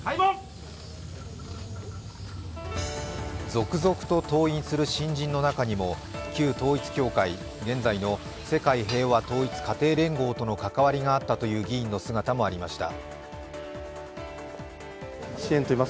続々と登院する新人の中にも旧統一教会、現在の世界平和統一家庭連合との関わりがあったという議員の姿もありました。